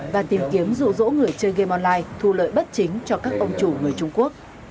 và tìm kiếm rủ rỗ người chơi gam online thu lợi bất chính cho các ông chủ người trung quốc